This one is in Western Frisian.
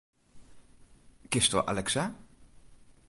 Kinsto Alexa?